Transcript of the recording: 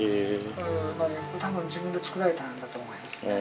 多分自分で作られたんだと思いますね。